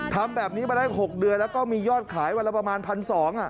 ทำแบบนี้มาได้๖เดือนแล้วก็มียอดขายวันละประมาณ๑๒๐๐บาท